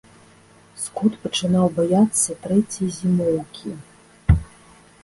Скот пачынаў баяцца трэцяй зімоўкі.